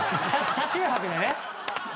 車中泊でね。